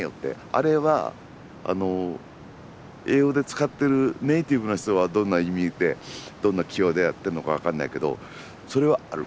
あれは英語で使ってるネイティブな人はどんな意味でやってんのか分かんないけどそれはある。